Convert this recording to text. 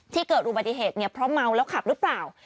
ที่เกิดหุบอธิเหตุเพราะเมาแล้วขับหรือเปล่า